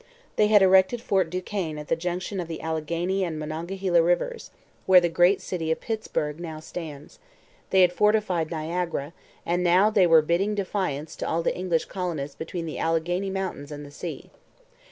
They had erected Fort Duquesne at the junction of the Alleghany and Monongahela rivers, where the great city of Pittsburgh now stands; they had fortified Niagara; and now they were bidding defiance to all the English colonists between the Alleghany Mountains and the sea.